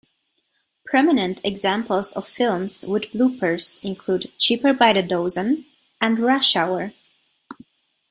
Prominent examples of films with bloopers include "Cheaper By the Dozen" and "Rush Hour".